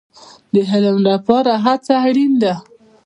د علم لپاره هڅه اړین ده